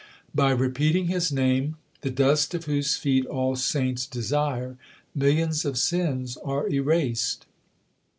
By repeating His name, the dust of whose feet all saints desire, millions of sins are erased.